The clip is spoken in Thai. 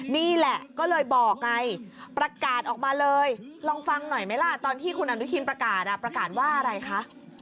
นี่แหละก็เลยบอกไงประกาศออกมาเลยลองฟังหน่อยไหมล่ะตอนที่คุณอนุทินประกาศประกาศว่าอะไรคะ